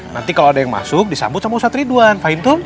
nanti kalau ada yang masuk disambut sama ustaz ridwan fahim tuh